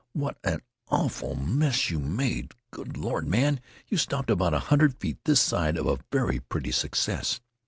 "What an awful mess you made! Good Lord, man, you stopped about a hundred feet this side of a very pretty success!